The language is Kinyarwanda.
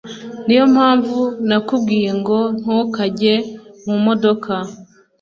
niyo mpamvu nakubwiye ngo ntukajye mu modoka